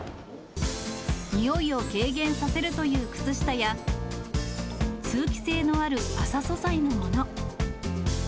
臭いを軽減させるという靴下や、通気性のある麻素材のもの。